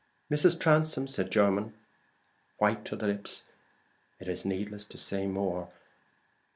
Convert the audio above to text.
"Mrs. Transome," said Jermyn, white to the lips, "it is needless to say more.